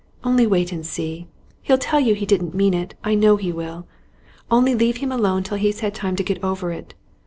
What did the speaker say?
Only wait and see; he'll tell you he didn't mean it, I know he will. Only leave him alone till he's had time to get over it.